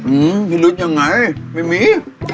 อืมพิรุธยังไงไม่มี